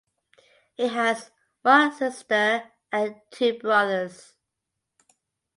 He has one sister and two brothers.